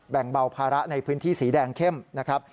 แบ่งเบาภาระในพื้นที่สีแดงเข้มนะครับ